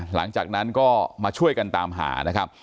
หลังจากนั้นก็มาช่วยกันตามหานะครับ